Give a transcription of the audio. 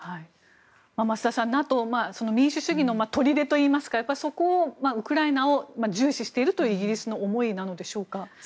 増田さん、ＮＡＴＯ民主主義の砦といいますかそれで、ウクライナを重視しているというイギリスの思いなんでしょうか。